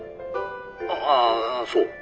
ああそう。